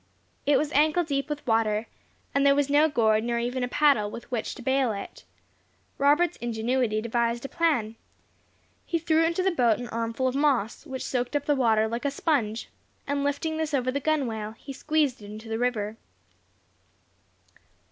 It was ankle deep with water, and there was no gourd nor even a paddle with which to bale it. Robert's ingenuity devised a plan; he threw into the boat an armful of moss, which soaked up the water like a sponge, and lifting this over the gunwale, he squeezed it into the river.